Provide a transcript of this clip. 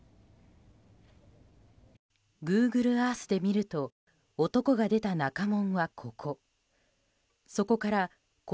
グーグルアースで見ると男が出た中門は、ここ。